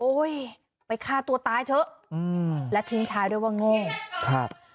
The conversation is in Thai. ไปฆ่าตัวตายเถอะอืมและทิ้งท้ายด้วยว่าโง่ครับ